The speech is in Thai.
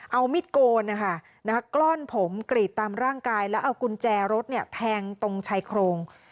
เอามิดโกนนะคะกล้อนผมกรีดตามร่างกายแล้วเอากุญแจรถแทงตรงชายโครง